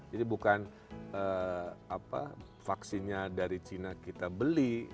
bukan vaksinnya dari cina kita beli